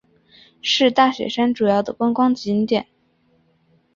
是大雪山主要的观光景点。